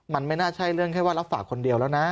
มันไม่น่าใช่เรื่องแค่ว่ารับฝากคนเดียวแล้วนะ